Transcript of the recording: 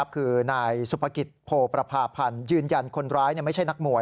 คือนายสุภกิจโพประพาพันธ์ยืนยันคนร้ายไม่ใช่นักมวย